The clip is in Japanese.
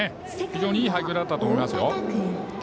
非常にいい配球だったと思います。